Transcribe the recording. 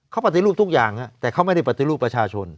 เขาปฏิรูปทุกอย่างแต่เขาไม่ได้ปฏิรูปประชาชน